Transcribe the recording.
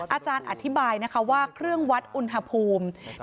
อาจารย์อธิบายนะคะว่าเครื่องวัดอุณหภูมิ